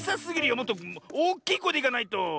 もっとおっきいこえでいかないと。